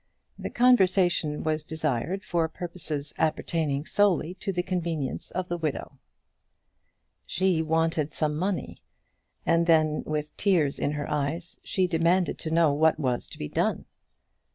The conversation was desired for purposes appertaining solely to the convenience of the widow. She wanted some money, and then, with tears in her eyes, she demanded to know what was to be done.